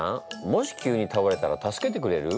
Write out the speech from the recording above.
もし急にたおれたら助けてくれる？